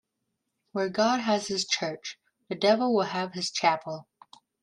Where God has his church, the devil will have his chapel.